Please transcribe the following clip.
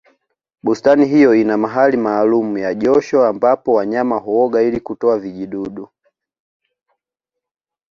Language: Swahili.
bustani hiyo ina mahali maalumu ya josho ambapo wanyama huoga ili kutoa vijidudu